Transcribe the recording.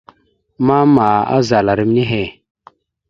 Mama azala ram nehe.